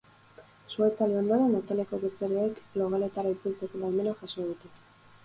Sua itzali ondoren, hoteleko bezeroek logeletara itzultzeko baimena jaso dute.